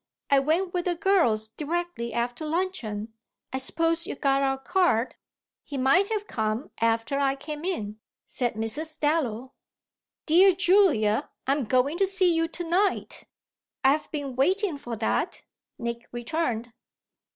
I went with the girls directly after luncheon. I suppose you got our card." "He might have come after I came in," said Mrs. Dallow. "Dear Julia, I'm going to see you to night. I've been waiting for that," Nick returned.